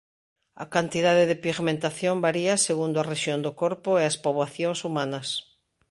A cantidade de pigmentación varía segundo a rexión do corpo e as poboacións humanas.